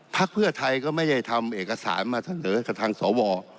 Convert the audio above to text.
พรรคเพื่อไทยก็ไม่ได้ทำเอกสารมาเถอะแต่ทางสว